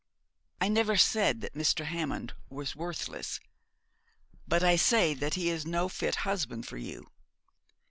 I never said that Mr. Hammond was worthless; but I say that he is no fit husband for you.